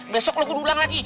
besok lo ke dulu ulang lagi ya